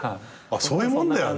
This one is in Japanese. そういうもんだよね。